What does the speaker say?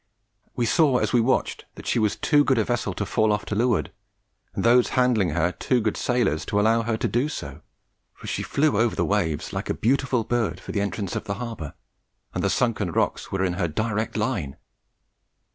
We saw as we watched that she was too good a vessel to fall off to leeward, and those handling her too good sailors to allow her to do so, for she flew over the waves like a beautiful bird for the entrance of the harbour, and the sunken rocks were in her direct line!